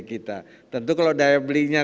kita tentu kalau daya belinya